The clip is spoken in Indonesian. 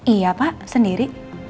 iya pak sendiri